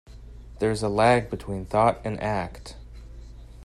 There is a lag between thought and act.